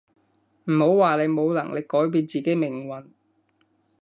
唔好話你冇能力改變自己命運